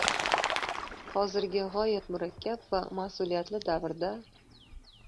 hozirgi g‘oyat murakkab va mas’uliyatli davrda